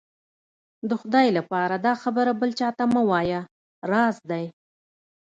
د خدای لهپاره دا خبره بل چا ته مه وايه، راز دی.